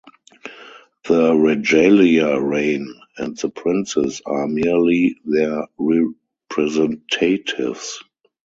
The regalia reign, and the princes are merely their representatives.